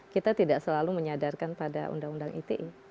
kita tidak selalu menyadarkan pada undang undang ite